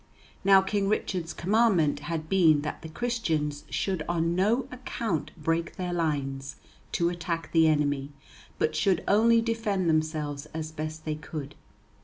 Now King Richard's commandment had been that the Christians should on no account break their lines to attack the enemy, but should only defend themselves as best they could.